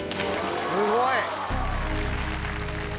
すごい。